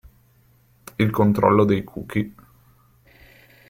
Il controllo dei cookie.